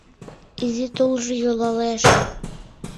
Изи тулжо йӱлалеш